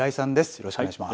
よろしくお願いします。